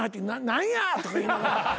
「何や」とか言いながら。